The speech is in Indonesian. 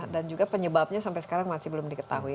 dan juga penyebabnya sampai sekarang masih belum diketahui